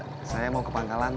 terus saya mau ke pangkalan